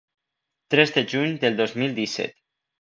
Tres de juny del dos mil disset.